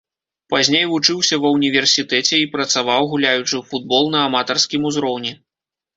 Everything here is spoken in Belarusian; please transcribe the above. Пазней вучыўся ва ўніверсітэце і працаваў, гуляючы ў футбол на аматарскім узроўні.